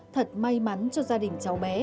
thật may mắn cho gia đình cháu bé